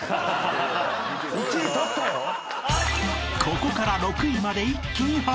［ここから６位まで一気に発表］